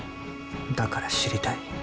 だから知りたい。